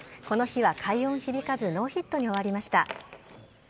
この日は快音響かず、ノーヒットに終わりました。